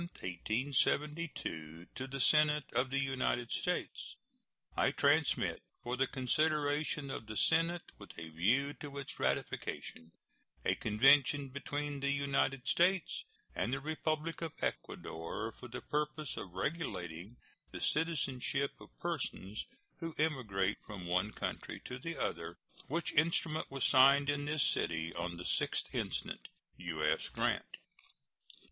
To the Senate of the United States: I transmit, for the consideration of the Senate with a view to its ratification, a convention between the United States and the Republic of Ecuador for the purpose of regulating the citizenship of persons who emigrate from the one country to the other, which instrument was signed in this city on the 6th instant. U.S. GRANT.